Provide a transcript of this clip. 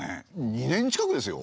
２年近くですよ。